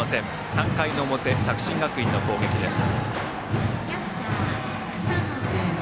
３回の表作新学院の攻撃です。